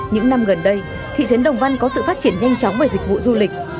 những năm gần đây thị trấn đồng văn có sự phát triển nhanh chóng về dịch vụ du lịch